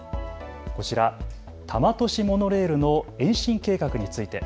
こちら多摩都市モノレールの延伸計画について。